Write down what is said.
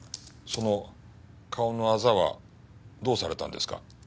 その顔のあざはどうされたんですか？